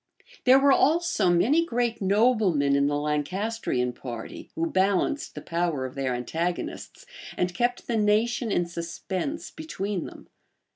There were also many great noblemen in the Lancastrian party, who balanced the power of their antagonists, and kept the nation in suspense between them.